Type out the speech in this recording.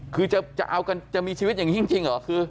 คือจะเอากันจะมีชีวิตอย่างนี้จริงเหรอคือ